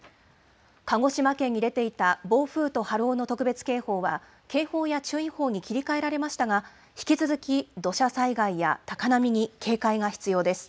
鹿児島県に出ていた暴風と波浪の特別警報は警報や注意報に切り替えられましたが、引き続き土砂災害や高波に警戒が必要です。